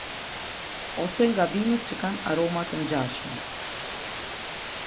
Ose nga bimët që kanë aroma të ngjashme.